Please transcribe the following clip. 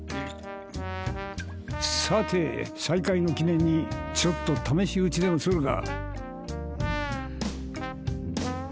さて再会の記念にちょっと試し撃ちでもするか。